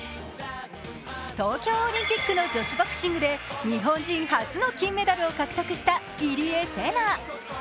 東京オリンピックの女子ボクシングで日本人初の金メダルを獲得した入江聖奈。